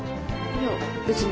いや別に。